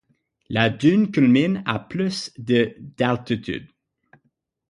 La dune culmine à plus de d'altitude.